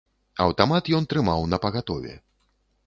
Аўтамат ён трымаў напагатове.